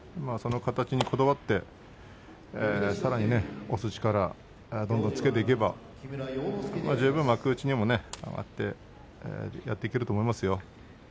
そこにこだわって、さらに押す力をどんどんつけていけば十分幕内でもねやっていけると思います。